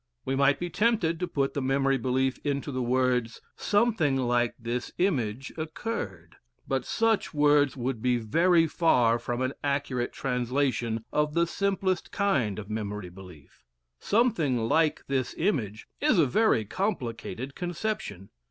We might be tempted to put the memory belief into the words: "Something like this image occurred." But such words would be very far from an accurate translation of the simplest kind of memory belief. "Something like this image" is a very complicated conception.